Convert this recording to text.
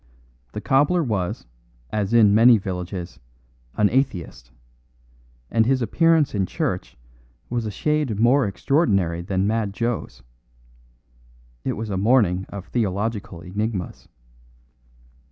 The cobbler was, as in many villages, an atheist, and his appearance in church was a shade more extraordinary than Mad Joe's. It was a morning of theological enigmas.